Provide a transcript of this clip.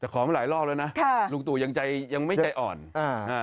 แต่ขอมาหลายรอบแล้วนะลูกตู่ยังไม่ใจอ่อนค่ะค่ะค่ะค่ะค่ะค่ะ